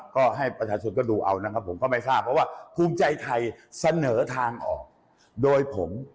ก็ให้ประชาชนก็ดูเอานะครับผมก็ไม่ทราบเพราะว่าภูมิใจไทยเสนอทางออกโดยผม